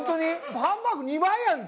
ハンバーグ２枚やんけ。